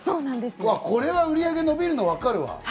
これは売り上げ伸びるの分かるわ。